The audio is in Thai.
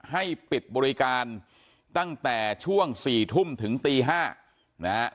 ให้ปิดบริการตั้งแต่ช่วง๔ทุ่มถึงตี๕นะฮะ